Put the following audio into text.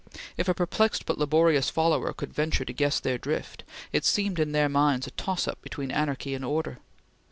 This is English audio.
If a perplexed but laborious follower could venture to guess their drift, it seemed in their minds a toss up between anarchy and order.